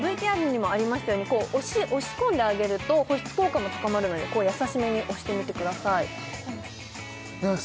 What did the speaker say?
ＳＡＢＯＮＶＴＲにもありましたようにこう押し込んであげると保湿効果も高まるので優しめに押してみてくださいいや